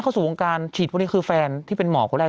โบท็อกอย่างเดียวเลย